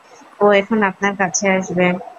ও এখন আপনার কাছে আসবে।